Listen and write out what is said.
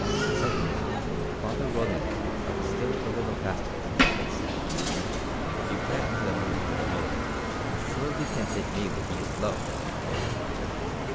Suddenly Father Roland rubbed still a little faster, and said: "If you can't hit a moose with a bullet you surely can hit me with these gloves eh?"